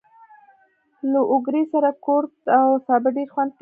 له اوگرې سره کورت او سابه ډېر خوند کوي.